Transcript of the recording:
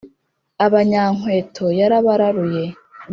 Abanyankweto yarabararuye;